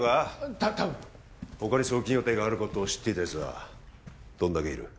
たたぶん他に送金予定があることを知っていたやつはどんだけいる？